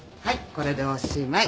これでおしまい。